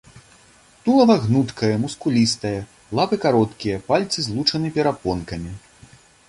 Тулава гнуткае, мускулістае, лапы кароткія, пальцы злучаны перапонкамі.